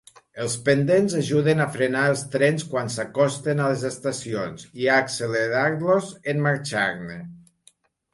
Els pendents ajuden a frenar els trens quan s'acosten a les estacions i a accelerar-los en marxar-ne.